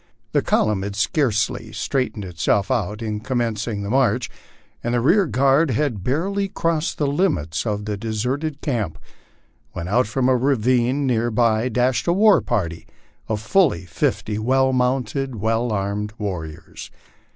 The column had scarcely straightened itself out in commencing the march, and the rear guard had barely crossed the limits of the deserted camp, when out from a ravine near by dashed a war party of fully fifty well mounted, well armed warriors.